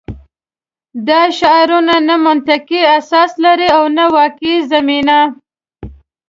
دا شعارونه نه منطقي اساس لري او نه واقعي زمینه